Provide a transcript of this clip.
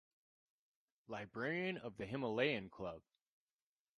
Librarian of the Himalayan Club.